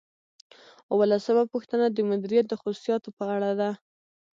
اوولسمه پوښتنه د مدیریت د خصوصیاتو په اړه ده.